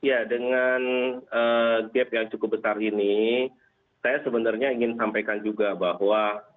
ya dengan gap yang cukup besar ini saya sebenarnya ingin sampaikan juga bahwa